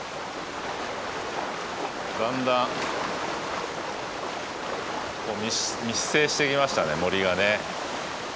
だんだん密生してきましたね森がね。